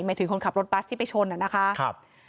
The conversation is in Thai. หมายถึงคนขับรถบัสที่ไปชนนะคะ